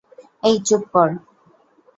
এই চুপ কর।